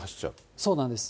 そうなんです。